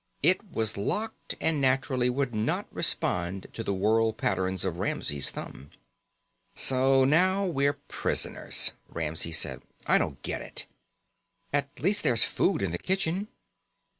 It was locked and naturally would not respond to the whorl patterns of Ramsey's thumb. "So now we're prisoners," Ramsey said. "I don't get it." "At least there's food in the kitchen."